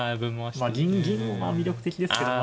まあ銀も魅力的ですけど。